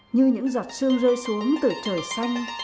như những giọt sương rơi xuống từ trời xanh